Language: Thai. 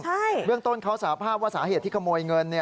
ใช่เบื้องต้นเขาสาภาพว่าสาเหตุที่ขโมยเงิน